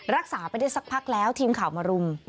รักษาไปได้สักพักแล้วทีมข่าวมารุม